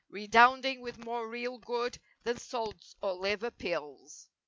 Redounding with more real good than salts or liver pills.